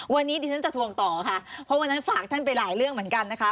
วันนี้ดิฉันจะทวงต่อค่ะเพราะวันนั้นฝากท่านไปหลายเรื่องเหมือนกันนะคะ